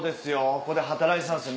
ここで働いてたんですよ